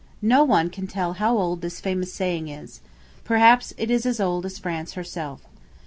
No one can tell how old this famous saying is. Perhaps it is as old as France herself.